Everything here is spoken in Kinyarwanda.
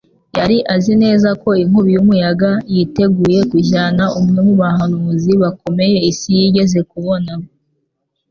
Yari azi neza ko inkubi y'umuyaga yiteguye kujyana umwe mu bahanuzi bakomeye isi yigeze kubona.